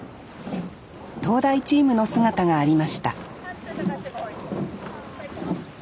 東大チームの姿がありました